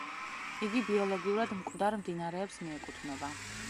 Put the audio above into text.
იგი ბიოლოგიურად მკვდარ მდინარეებს მიეკუთვნება.